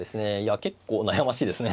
結構悩ましいですね。